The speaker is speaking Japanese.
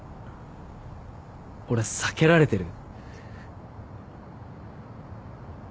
俺避けられてる？